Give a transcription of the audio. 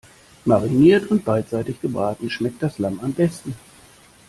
Mariniert und beidseitig gebraten schmeckt das Lamm am besten.